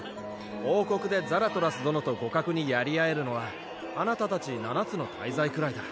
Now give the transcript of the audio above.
王国でザラトラス殿と互角にやり合えるのはあなたたち七つの大罪くらいだ。